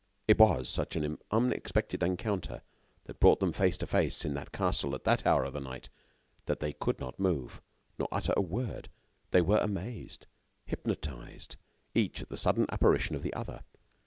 It was such an unexpected encounter that brought them face to face in that castle at that hour of the night, that they could not move, nor utter a word; they were amazed, hypnotized, each at the sudden apparition of the other.